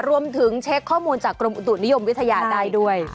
รวมถึงเช็คข้อมูลจากกรมอุตุนิยมวิทยาได้ด้วย